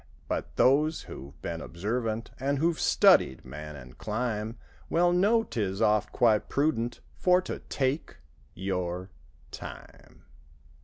But those who've been observant. And who've studied man and clime. Well know 'tis oft quite prudent For to take—your—time.